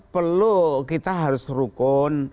perlu kita harus rukun